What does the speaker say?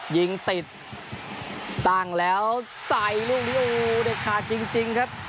ยิงติดตั้งแล้วใส่ลูกที่โอ้เด็ดขาดจริงครับ